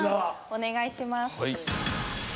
お願いします。